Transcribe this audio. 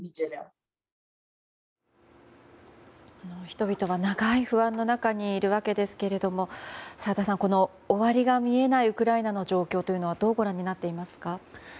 人々は長い不安の中にいるわけですけれども澤田さん、終わりが見えないウクライナの状況というのはどうご覧になっていますか？